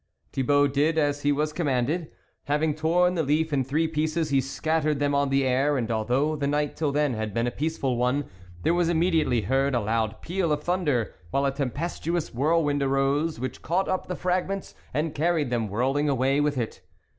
Thibault did as he was commanded. Having torn the leaf in three pieces, he scattered them on the air, and although the night till then had been a peaceful one, there was immediately heard a loud peal of thunder, while a tempestuous whirlwind arose, which caught up the fragments and carried them whirling away with it.